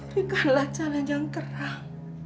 berikanlah calon yang kerang